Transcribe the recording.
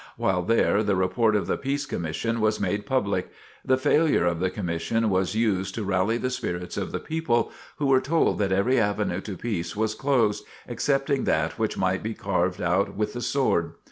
While there the report of the Peace Commission was made public. The failure of the commission was used to rally the spirits of the people, who were told that every avenue to peace was closed, excepting that which might be carved out with the sword.